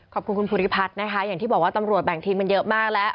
ขอบคุณคุณภูริพัฒน์นะคะอย่างที่บอกว่าตำรวจแบ่งทิ้งมันเยอะมากแล้ว